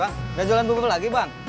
bang udah jalan bubur lagi bang